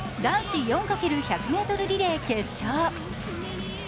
男子４×１００ｍリレー決勝。